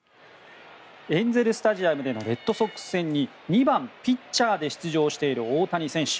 エンゼル・スタジアムでのレッドソックス戦に２番ピッチャーで出場している大谷選手。